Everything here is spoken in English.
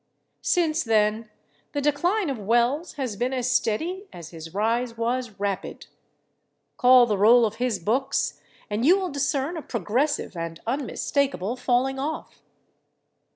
Since then the decline of Wells has been as steady as his rise was rapid. Call the roll of his books, and you will discern a progressive and unmistakable falling off.